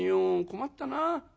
困ったな」。